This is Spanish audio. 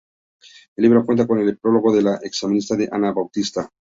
El libro cuenta con el prólogo de la exgimnasta Ana Bautista.